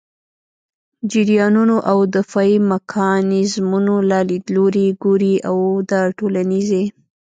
جریانونو او دفاعي میکانیزمونو له لیدلوري ګوري او د ټولنيزې